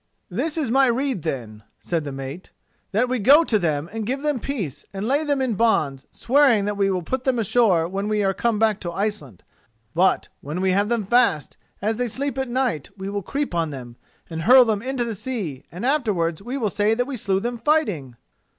"This is my rede, then," said the mate: "that we go to them and give them peace, and lay them in bonds, swearing that we will put them ashore when we are come back to Iceland. But when we have them fast, as they sleep at night, we will creep on them and hurl them into the sea, and afterwards we will say that we slew them fighting."